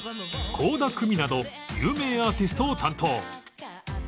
倖田來未など有名アーティストを担当